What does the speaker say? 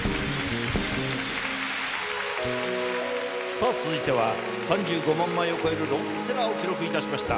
さぁ続いては３５万枚を超えるロングセラーを記録いたしました